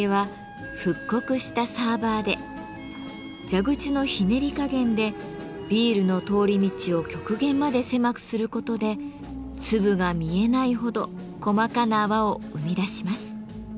蛇口のひねり加減でビールの通り道を極限まで狭くすることで粒が見えないほど細かな泡を生み出します。